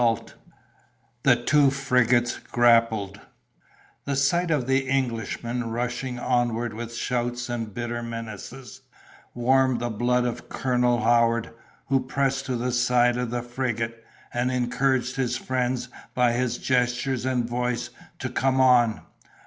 [Illustration: "The Two Frigates Grappled"] The sight of the Englishman rushing onward with shouts and bitter menaces, warmed the blood of Colonel Howard, who pressed to the side of the frigate, and encouraged his friends by his gestures and voice, to come on.